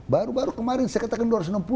baru baru kemarin saya katakan dua ratus enam puluh